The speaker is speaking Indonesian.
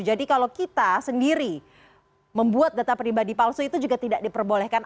jadi kalau kita sendiri membuat data pribadi palsu itu juga tidak diperbolehkan